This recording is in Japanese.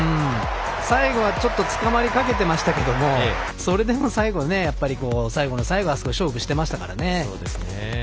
最後はちょっとつかまりかけてましたけどそれでも最後の最後は勝負してましたからね。